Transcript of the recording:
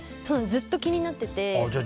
ずっと気になってて。